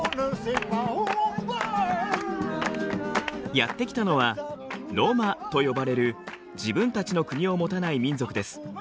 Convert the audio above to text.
やって来たのはロマと呼ばれる自分たちの国を持たない民族です。